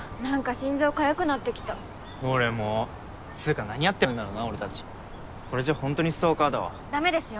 心臓かゆくなってきた俺もつうか何やってんだろうな俺達これじゃあホントにストーカーだわダメですよ